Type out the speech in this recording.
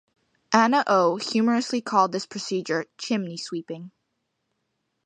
Anna O. humorously called this procedure "chimney sweeping".